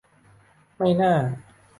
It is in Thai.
ไม่น่า